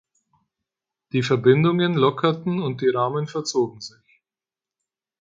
Die Verbindungen lockerten und die Rahmen verzogen sich.